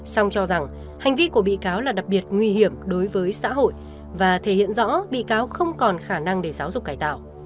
song cho rằng hành vi của bị cáo là đặc biệt nguy hiểm đối với xã hội và thể hiện rõ bị cáo không còn khả năng để giáo dục cải tạo